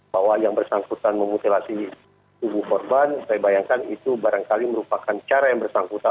bahwa yang bersangkutan memutilasi tubuh korban saya bayangkan itu barangkali merupakan cara yang bersangkutan